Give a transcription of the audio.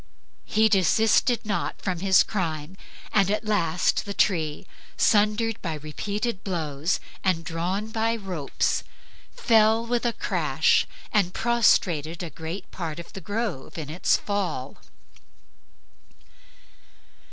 He desisted not from his crime, and at last the tree, sundered by repeated blows and drawn by ropes, fell with a crash and prostrated a great part of the grove in its fall.